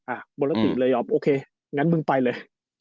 อ่ะบนละปุ่มเลยโอเคงั้นมึงไปเลย